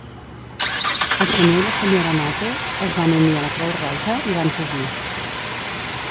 El senyor i la senyora Nate es van unir a la Creu Roja i van cosir.